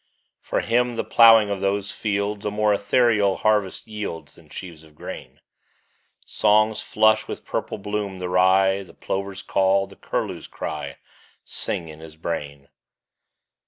For him the ploughing of those fields A more ethereal harvest yields Than sheaves of grain ; Songs flush with purple bloom the rye, The plover's call, the curlew's cry Sing in his brain.